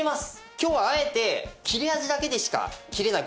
今日はあえて切れ味だけでしか切れない